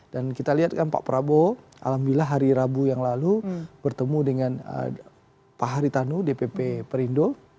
dan kita lihat kan pak prabowo alhamdulillah hari rabu yang lalu bertemu dengan pak haritanu dpp pan